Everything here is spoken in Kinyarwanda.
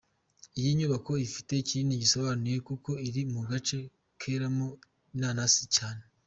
Iyi nyubako ifite kinini isobanuye kuko iri mu gace keramo inanasi cyane.